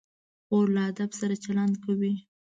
خور له ادب سره چلند کوي.